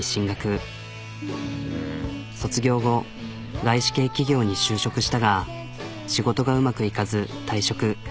卒業後外資系企業に就職したが仕事がうまくいかず退職。